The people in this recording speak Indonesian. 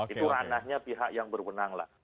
itu ranahnya pihak yang berwenang lah